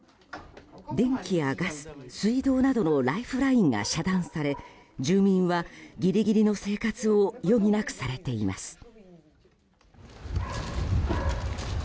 電気やガス、水道などのライフラインが遮断され住民はギリギリの生活を余儀なくされています。